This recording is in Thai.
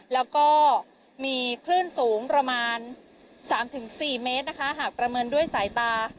แล้วก็มีคลื่นสูงประมาณ๓๔เมตรนะคะหากประเมินด้วยสายตา